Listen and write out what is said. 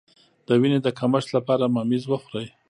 د وینې د کمښت لپاره ممیز وخورئ